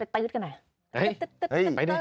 ต้นไปตืดกันหน่อย